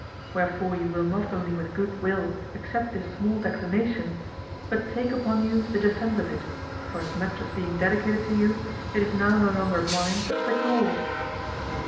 Wherefore you will not only with good will accept this small declamation, but take upon you the defense of it, for as much as being dedicated to you, it is now no longer mine but yours.